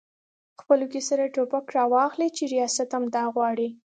خپلو کې سره ټوپک راواخلي چې ریاست هم همدا غواړي؟